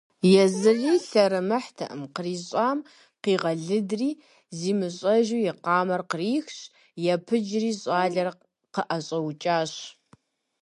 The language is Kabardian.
Езыри лъэрымыхьтэкъым, кърищӀам къигъэлыдри, зимыщӀэжу и къамэр кърихщ, епыджри щӏалэр къыӀэщӀэукӀащ.